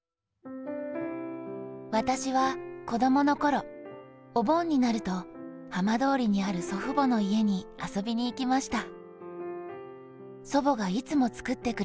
「私は、子どものころ、お盆になると浜通りにある祖父母の家に遊びに行きました」。